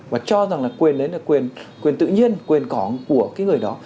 và cho rằng là quyền đấy là quyền quyền tự nhiên quyền có của cái người đó